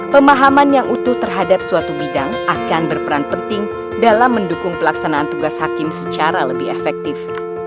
pemahaman yang utuh terhadap suatu bidang akan berperan penting dalam mendukung pelaksanaan tugas hakim secara lebih efektif